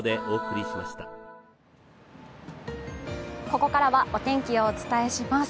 ここからはお天気をお伝えします。